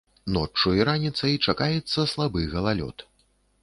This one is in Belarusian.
Ноччу і раніцай чакаецца слабы галалёд.